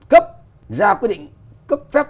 cấp ra quyết định cấp phép